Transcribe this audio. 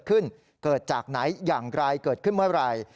เกิดจากไหนอย่างไรเกิดขึ้นเมื่อไหร่